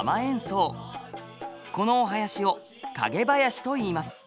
このお囃子を蔭囃子と言います。